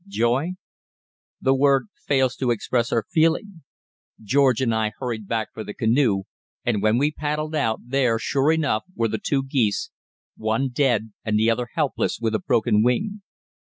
Joy? the word fails to express our feeling. George and I hurried back for the canoe, and when we paddled out, there, sure enough, were the two geese, one dead and the other helpless with a broken wing.